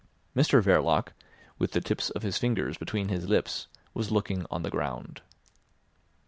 Mr Verloc, with the tips of his fingers between his lips, was looking on the ground.